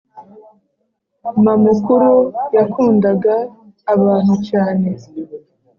Mamukuru yakundaga abantu cyane